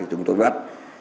chúng tôi vắt